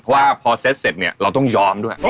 เพราะว่าพอเซ็ตเสร็จเนี่ยเราต้องยอมด้วย